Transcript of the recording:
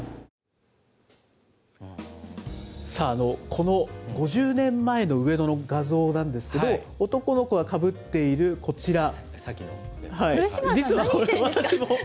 この５０年前の上野の画像なんですけど、男の子がかぶっているこちら。